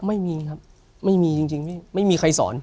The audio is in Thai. ไม่มีครับไม่มีจริงไม่มีใครสอน